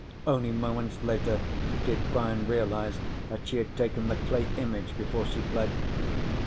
Only moments later did Brian realize that she had taken the clay image before she fled.